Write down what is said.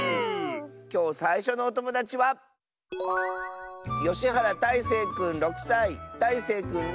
きょうさいしょのおともだちはたいせいくんの。